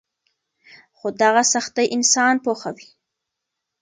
خو دغه سختۍ انسان پوخوي.